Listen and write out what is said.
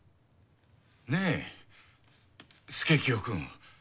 ねえ佐清くん。